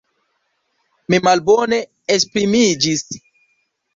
Mi malbone esprimiĝis!